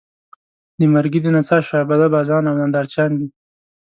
د مرګي د نڅا شعبده بازان او نندارچیان دي.